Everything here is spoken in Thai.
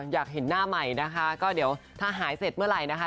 อยากเห็นหน้าใหม่นะคะก็เดี๋ยวถ้าหายเสร็จเมื่อไหร่นะคะ